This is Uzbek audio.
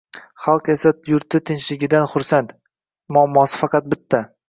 Xalq esa yurti tinchligidan xursand, muammosi faqat bitta